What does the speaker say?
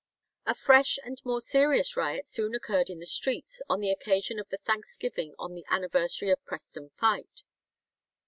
A fresh and more serious riot soon occurred in the streets, on the occasion of the thanksgiving on the anniversary of Preston fight.